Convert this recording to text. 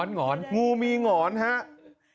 หง่อนงูมีหง่อนฮะง้อนหง่อน